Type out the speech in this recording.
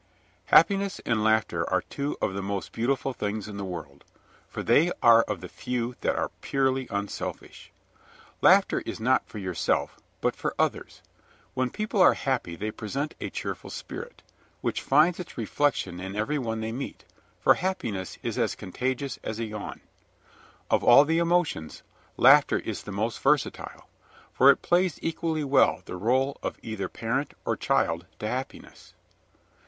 Happiness and laughter are two of the most beautiful things in the world, for they are of the few that are purely unselfish. Laughter is not for yourself, but for others. When people are happy they present a cheerful spirit, which finds its reflection in every one they meet, for happiness is as contagious as a yawn. Of all the emotions, laughter is the most versatile, for it plays equally well the role of either parent or child to happiness.